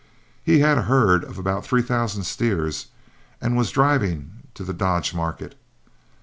He had a herd of about three thousand steers, and was driving to the Dodge market.